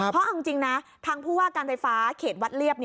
เพราะเอาจริงนะทางผู้ว่าการไฟฟ้าเขตวัดเรียบ